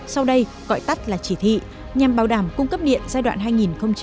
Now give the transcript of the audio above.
sau đây gọi tắt là chỉ thị nhằm bảo đảm cung cấp điện giai đoạn hai nghìn một mươi chín hai nghìn hai mươi năm